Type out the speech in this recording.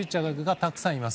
たくさんいます。